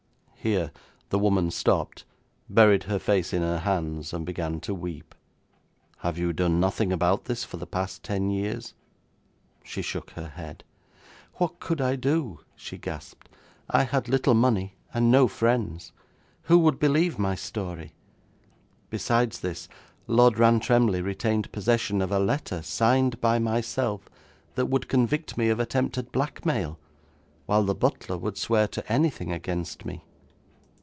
Here the woman stopped, buried her face in her hands, and began to weep. 'Have you done nothing about this for the past ten years?' She shook her head. 'What could I do?' she gasped. 'I had little money, and no friends. Who would believe my story? Besides this, Lord Rantremly retained possession of a letter, signed by myself, that would convict me of attempted blackmail, while the butler would swear to anything against me.'